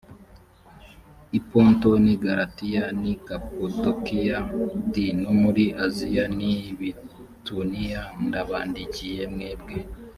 i ponto n i galatiya n i kapadokiya d no muri aziya n i bituniya ndabandikiye mwebwe